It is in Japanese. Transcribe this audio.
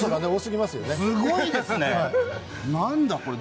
すごいですよね。